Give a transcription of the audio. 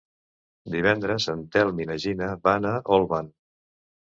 Divendres en Telm i na Gina van a Olvan.